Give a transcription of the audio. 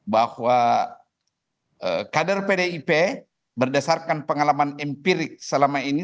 bahwa kader pdip berdasarkan pengalaman empirik selama ini